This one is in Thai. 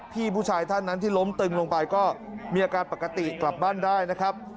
พี่ผู้ชายท่านนั้นที่ล้มตึงลงไปก็มีอาการปกติกลับบ้านได้นะครับ